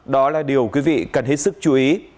đó là điều quý vị cần hết sức chú ý